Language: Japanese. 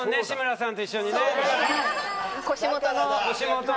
志村さんと一緒にね。